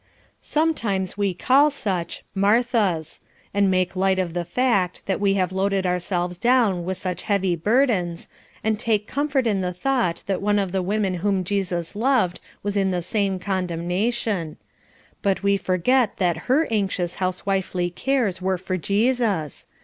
Sometimes we call such "Marthas," and make light of the fact that we have loaded ourselves down with such heavy burdens, and take comfort in the thought that one of the women whom Jesus loved was in the same condemnation; but we forget that her anxious housewifely cares were for Jesus.